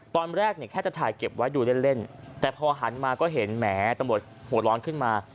ตอนแรกเนี่ยแค่จะถ่ายเก็บไว้ดูเล่นเล่นแต่พอหันมาก็เห็นแหมตำรวจหัวร้อนขึ้นมา